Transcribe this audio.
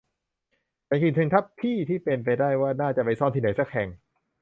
ฉันคิดถึงทัพพี่เป็นไปได้ว่าน่าจะไปซ่อนที่ไหนสักแห่ง